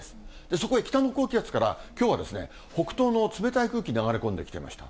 そこに北の高気圧から、きょうはですね、北東の冷たい空気、流れ込んできていました。